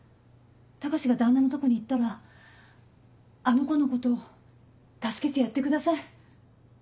高志が旦那のとこに行ったらあの子のこと助けてやってください。